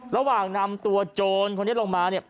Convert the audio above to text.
ระหว่างนำตัวโจรคนนี้ลงมาเนี่ย